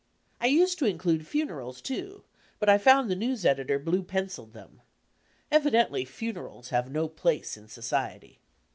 I used tt> include funerals, too, but I found the news editor blue pencilled them. Evidendy funerals have no place in society.